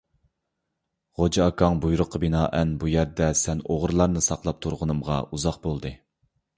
غوجا ئاكاڭ، بۇيرۇققا بىنائەن بۇ يەردە سەن ئوغرىلارنى ساقلاپ تۇرغىنىمغا ئۇزاق بولدى!